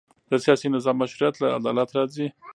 د سیاسي نظام مشروعیت له عدالت راځي